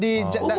di jaksa penuntut